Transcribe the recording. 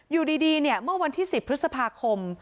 อยู่ดีเมื่อวันที่๑๐พฤษภาคม